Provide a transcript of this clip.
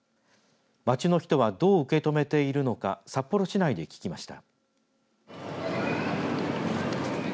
街の人はどう受け止めているのか札幌市内で聞きました。